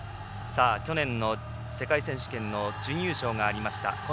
去年の世界選手権の準優勝がありました。